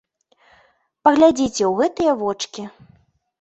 Паглядзіце ў гэтыя вочкі!